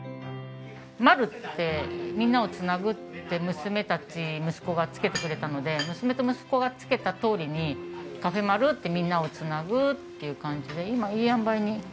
「まる」ってみんなを繋ぐって娘たち息子がつけてくれたので娘と息子がつけたとおりに。っていう感じで今いいあんばいに。